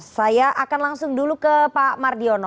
saya akan langsung dulu ke pak mardiono